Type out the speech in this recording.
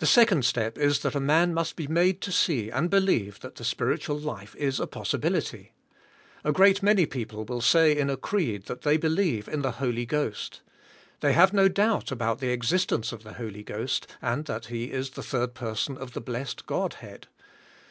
2nd step is that a man must be made to see and believe that the spiritual life is a possibility. A CARNAt OR SPIRITUAI.. 11 great manj people will say in a creed that they be lieve in the Holy Ghost. They have no doubt about the existence of the Holy Ghost, and that He is the Third Person of the Blessed God Head.